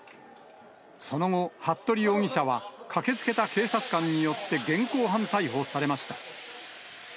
その後、服部容疑者は、駆けつけた警察官によって現行犯逮捕されました。